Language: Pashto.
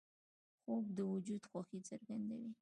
خوب د وجود خوښي څرګندوي